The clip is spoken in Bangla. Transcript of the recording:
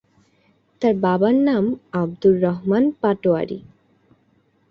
তার বাবার নাম আবদুর রহমান পাটোয়ারী।